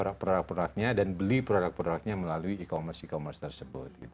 produk produknya dan beli produk produknya melalui e commerce e commerce tersebut